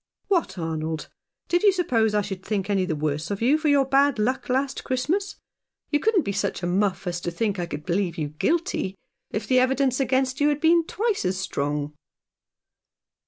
"What, Arnold! Did you suppose I should think any the worse of you for your bad luck last Christmas? You couldn't be such a muft as to think that I could believe you gr.ilty, if the evidence against you had been twice as strong."